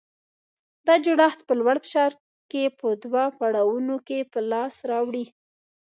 دا جوړښت په لوړ فشار کې په دوه پړاوونو کې په لاس راوړي.